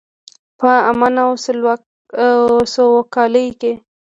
په امن او سوکالۍ کې.